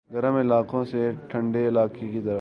گرم علاقوں سے ٹھنڈے علاقوں کی طرف